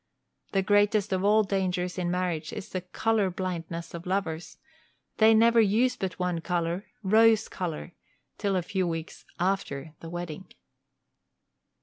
The greatest of all dangers in marriage is the color blindness of lovers: they never use but one color rose color till a few weeks after the wedding.